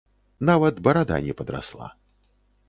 Нават барада не падрасла.